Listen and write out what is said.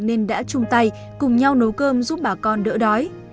nên đã chung tay cùng nhau nấu cơm giúp bà con đỡ đói